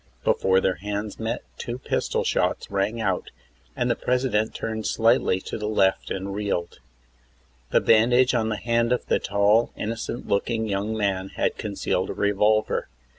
Before their hands met two pistol shots rang out, and the President turned slightly to the left and reeled. The bandage on the hand of the tall, innocent looking young man had concealed a revolver.